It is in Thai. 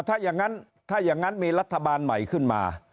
ถ้าอย่างนั้นถ้าอย่างนั้นมีรัฐบาลใหม่ขึ้นมา